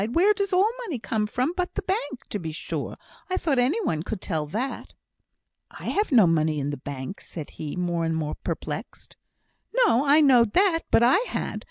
"Where does all money come from, but the bank, to be sure? I thought any one could tell that." "I have no money in the bank!" said he, more and more perplexed. "No! I knowed that; but I had.